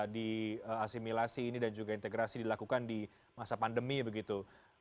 di asimilasi ini dan juga integrasi dilakukan di masa pandemi begitu